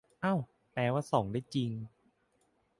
อ้าวแปลว่าส่องได้จริง